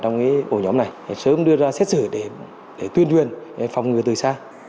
trong cái ổ nhóm này sớm đưa ra xét xử để tuyên duyên phòng người từ xa